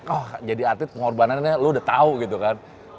oh jadi atlet pengorbanannya lo udah tau gitu kan